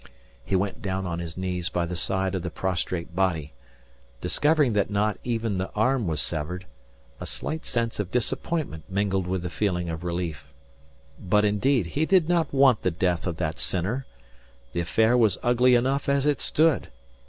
He went down on his knees by the side of the prostrate body. Discovering that not even the arm was severed, a slight sense of disappointment mingled with the feeling of relief. But, indeed, he did not want the death of that sinner. The affair was ugly enough as it stood.